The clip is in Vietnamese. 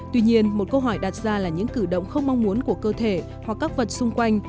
tuy nhiên một câu hỏi đặt ra là những cử động không mong muốn của cơ thể hoặc các vật xung quanh